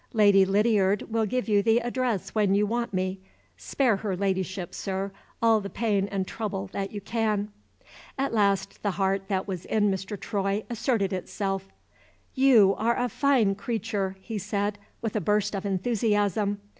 Lady Lydiard will give you the address when you want me. Spare her Ladyship, sir, all the pain and trouble that you can." At last the heart that was in Mr. Troy asserted itself. "You are a fine creature!" he said, with a burst of enthusiasm.